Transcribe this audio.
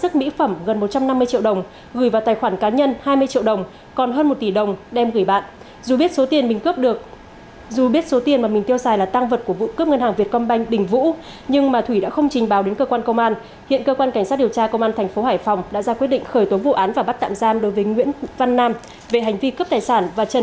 thông tin từ công an thành phố hải phòng cho biết cơ quan cảnh sát điều tra công an thành phố hải phòng đã ra quyết định khởi tố bị can